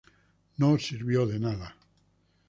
No sirvió de nada.